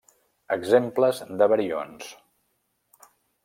Exemples de barions: